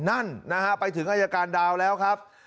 นั่นนะฮะไปถึงอายการดาวแล้วครับ